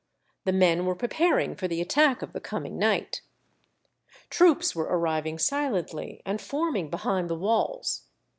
The men wene preparing for the attack of the coming night. Troops were arriving silently, and forming behind the walls.